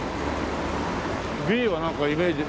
「Ｂ」はなんかイメージ。